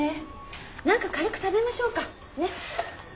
何か軽く食べましょうかねっ。